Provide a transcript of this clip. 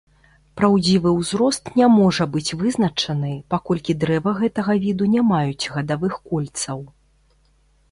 Праўдзівы ўзрост не можа быць вызначаны, паколькі дрэвы гэтага віду не маюць гадавых кольцаў.